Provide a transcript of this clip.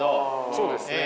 そうですね。